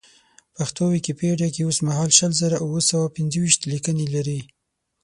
پښتو ویکیپېډیا کې اوسمهال شل زره اوه سوه او پېنځه ویشت لیکنې لري.